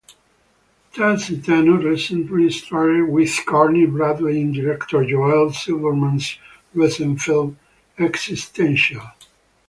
Tarsitano recently starred with Courtney Bradley in director Joelle Silverman's recent film "Existential".